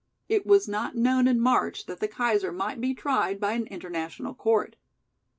It was not known in March that the Kaiser might be tried by an international court.